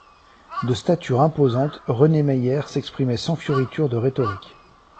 De stature imposante, René Mayer s'exprimait sans fioritures de rhétorique.